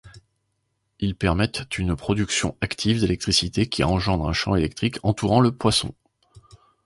Ils permettent une production active d’électricité qui engendre un champ électrique entourant le poisson.